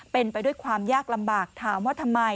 เป็นไปด้วยความยากลำบากถามว่าทำไม